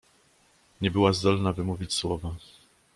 "Nie była zdolna wymówić słowa."